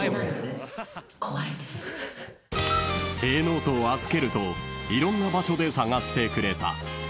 ［へぇーノートを預けるといろんな場所で探してくれた］